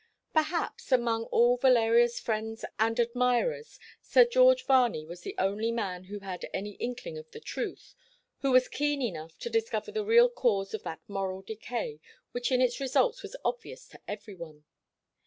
Perhaps, among all Valeria's friends and admirers, Sir George Varney was the only man who had any inkling of the truth, who was keen enough to discover the real cause of that moral decay which in its results was obvious to every one.